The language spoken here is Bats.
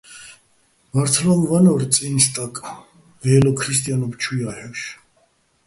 ბართლო́მ ვანორ წაჲნი̆ სტაკ, ვაჲლო ქრისტიანობ ჩუ ჲა́ჰ̦ოშ.